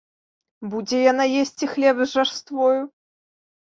Будзе яна есці хлеб з жарствою?!